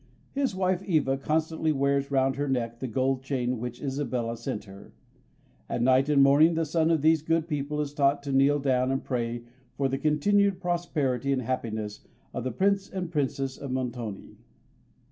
His wife Eva constantly wears round her neck the gold chain which Isabella sent her; and night and morning the son of these good people is taught to kneel down and pray for the continued prosperity and happiness of the Prince and Princess of Montoni.